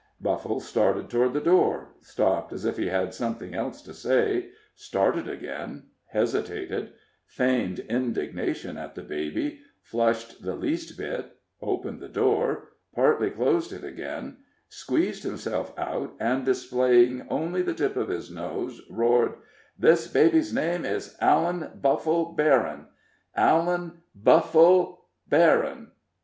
Buffle started toward the door, stopped as if he had something else to say, started again, hesitated, feigned indignation at the baby, flushed the least bit, opened the door, partly closed it again, squeezed himself out and displaying only the tip of his nose, roared: "This baby's name is Allan Buffle Berryn Allen Buffle Berryn!"